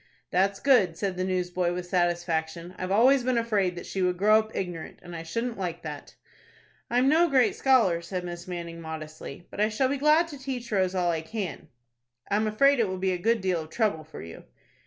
"That's good," said the newsboy, with satisfaction. "I've always been afraid that she would grow up ignorant, and I shouldn't like that." "I'm no great scholar," said Miss Manning, modestly; "but I shall be glad to teach Rose all I can." "I am afraid it will be a good deal of trouble for you."